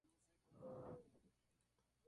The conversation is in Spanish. El artista jamás se casó.